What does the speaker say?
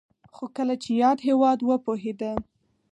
خو کله چې یاد هېواد وپوهېده